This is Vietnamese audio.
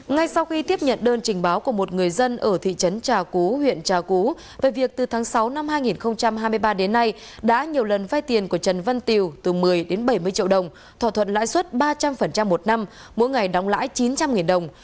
ngay sau khi tiếp nhận đơn trình báo của một người dân ở thị trấn trà cú huyện trà cú về việc từ tháng sáu năm hai nghìn hai mươi ba đến nay đã nhiều lần vay tiền của trần văn tiều từ một mươi đến bảy mươi triệu đồng thỏa thuận lãi suất ba trăm linh một năm mỗi ngày đóng lãi chín trăm linh đồng